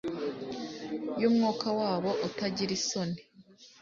yumwuka wabo utagira isoni